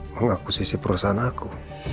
mengakusisi perusahaan aku